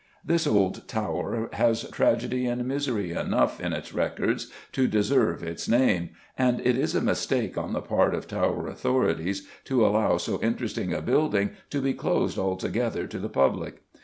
This old tower has tragedy and misery enough in its records to deserve its name, and it is a mistake on the part of Tower authorities to allow so interesting a building to be closed altogether to the public.